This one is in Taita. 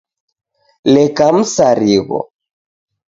Leka msarigho.